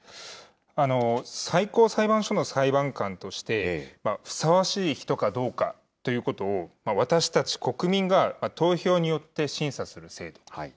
最高裁判所の裁判官として、ふさわしい人かどうかということを、私たち国民が投票によって審査する制度。